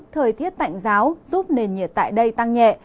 thời tiết tạnh giáo giúp nền nhiệt tại đây tăng nhẹ